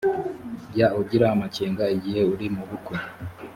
jya ugira amakenga igihe uri mubukwe